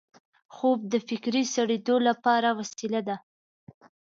خوب د فکري سړېدو لپاره وسیله ده